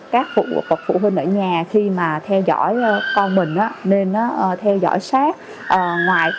các phụ huynh ở nhà khi mà theo dõi con mình nên nó theo dõi sát ngoài